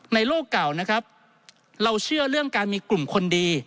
โลกเก่านะครับเราเชื่อเรื่องการมีกลุ่มคนดี